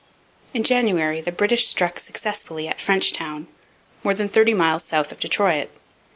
In January the British struck successfully at Frenchtown, more than thirty miles south of Detroit.